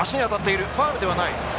ファウルではない。